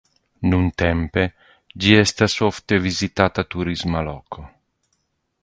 Nuntempe ĝi estas ofte vizitata turisma loko.